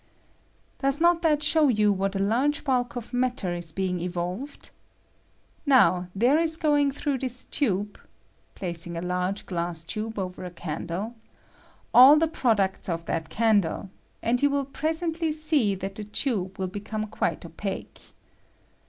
] Does not that show you what a large bulk of matter is being evolved ? Now there is going through this tube [placing a large glass tube over a candle] all the products of J ' BJW WATER A PRODUCT OF COMBUSTION, J'that candle, and you will presently see that the f tube will become quite opaque.